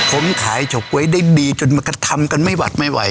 ผมขายฉกไว้ได้ดีจนก็ทำกันไม่วัดไม่ไหว